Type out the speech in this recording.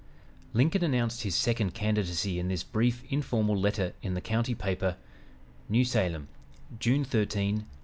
Lincoln announced his second candidacy in this brief, informal letter in the county paper: "NEW SALEM, June 13, 1836.